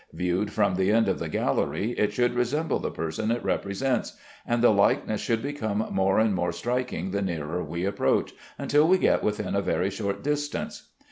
Viewed from the end of the gallery, it should resemble the person it represents, and the likeness should become more and more striking the nearer we approach, until we get within a very short distance.